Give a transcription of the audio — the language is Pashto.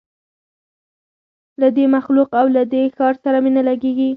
له دې مخلوق او له دې ښار سره مي نه لګیږي